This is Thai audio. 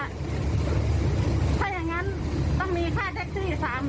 ถ้าอย่างงั้นต้องมีค่าแท็กซี่สามร้อยเขาบอกว่าครับ